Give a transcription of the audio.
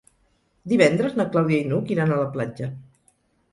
Divendres na Clàudia i n'Hug iran a la platja.